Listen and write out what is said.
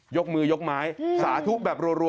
ยกมือยกไม้สาธุแบบรัว